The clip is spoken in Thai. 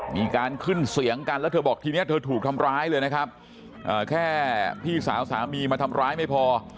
มีการขึ้นเสียงกันแล้วเธอบอกทีนี้เธอถูกทำร้ายเลยนะครับแค่พี่สาวสามีมาทำร้ายไม่พอ